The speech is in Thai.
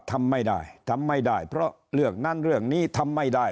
ทำไม่ได้ทำไม่ได้เพราะเรื่องนั้นเรื่องนี้ทำไม่ได้